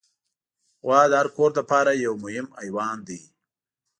غوا د هر کور لپاره یو مهم حیوان دی.